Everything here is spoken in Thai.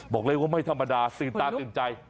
บอกเลยว่าไม่ธรรมดาตื่นตาตื่นใจ